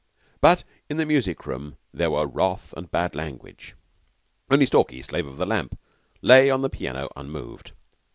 But in the music room there were wrath and bad language. Only Stalky, Slave of the Lamp, lay on the piano unmoved.